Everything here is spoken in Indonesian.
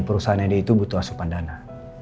perusahaannya dia itu butuh asupan dana